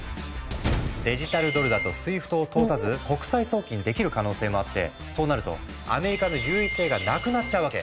デジタルドルだとＳＷＩＦＴを通さず国際送金できる可能性もあってそうなるとアメリカの優位性がなくなっちゃうわけ。